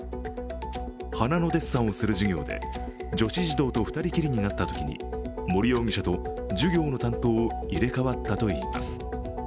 花のデッサンをする授業で女子児童と２人きりになったときに、森容疑者と授業の担当を入れ代わったといいます。